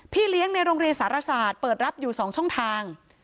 เลี้ยงในโรงเรียนสารศาสตร์เปิดรับอยู่๒ช่องทาง